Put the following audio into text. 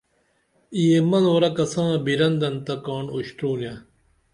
یے منورہ کساں بِرندن تہ کاݨ اُشترونے